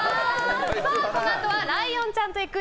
このあとはライオンちゃんと行く！